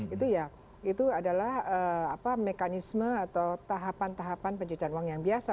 itu ya itu adalah mekanisme atau tahapan tahapan pencucian uang yang biasa